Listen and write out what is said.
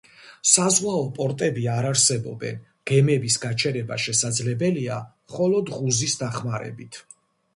საზღვაო პორტები არ არსებობენ, გემების გაჩერება შესაძლებელია მხოლოდ ღუზის დახმარებით.